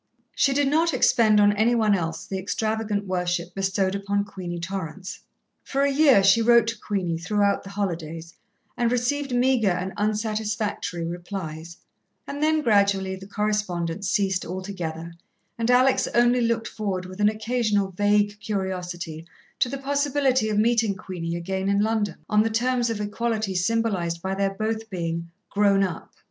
She did not expend on any one else the extravagant worship bestowed upon Queenie Torrance. For a year she wrote to Queenie throughout the holidays, and received meagre and unsatisfactory replies, and then gradually the correspondence ceased altogether, and Alex only looked forward with an occasional vague curiosity to the possibility of meeting Queenie again in London, on the terms of equality symbolized by their both being "grown up."